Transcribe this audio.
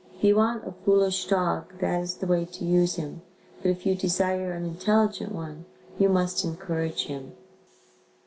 If you want a foolish dog, that is the way to use him but if you desire an intelligent one, you must encourage him.